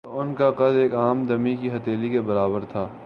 تو ان کا قد ایک عام دمی کی ہتھیلی کے برابر تھا